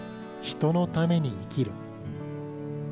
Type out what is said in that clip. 人のために生きろ。